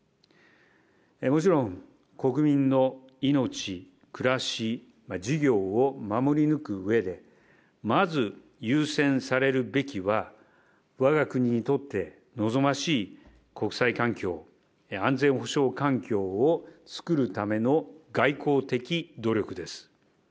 もちろん、国民の命、暮らし、事業を守り抜くうえで、まず優先されるべきは、わが国にとって望ましい国際環境や安全保障環境を作るための外交的努力です。